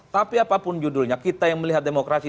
tapi apapun judulnya kita yang melihat demokrasi